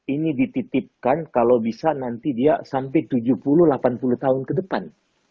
ini dititipkan kalau bisa nanti dia sampai tujuh puluh delapan puluh tahun ke depan